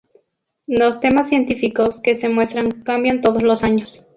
Los temas científicos que se muestran cambian todos los años.